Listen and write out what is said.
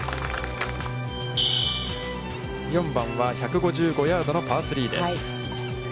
４番は１５５ヤードのパー３です。